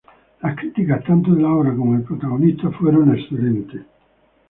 Las críticas tanto de la obra como del protagonista fueron excelentes.